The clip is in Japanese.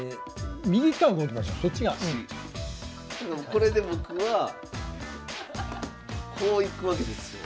これで僕はこういくわけですよ。